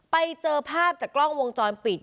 ไปเจอภาพจากกล้องวงจรปิด